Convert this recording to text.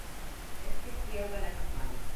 Эш тип кейәүгә лә сыҡманым.